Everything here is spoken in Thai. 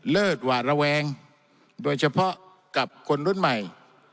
เลิศหวาดระแวงโดยเฉพาะกับคนรุ่นใหม่